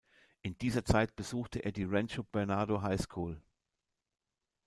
In dieser Zeit besuchte er die Rancho Bernardo High School.